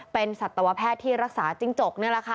เป็นสัตวแพทย์ที่รักษาจิ้งจกนี่แหละค่ะ